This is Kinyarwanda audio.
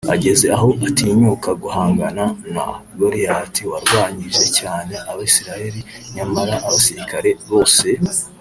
ageza aho atinyuka guhangana na Goliyati warwanyije cyane abisiraheri nyamara abasirikari bose